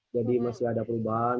jadi masih ada perubahan